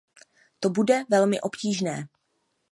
To bude velmi obtížné.